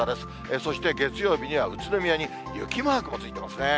そして月曜日には宇都宮に雪マークもついてますね。